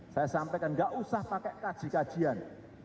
saya sampaikan enggak usah pakai kajian